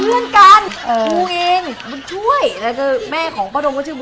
เมื่อก่อนแล้วก็ใส่พริกแกง